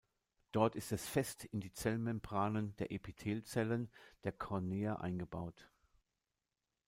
Dort ist es fest in die Zellmembranen der Epithelzellen der Cornea eingebaut.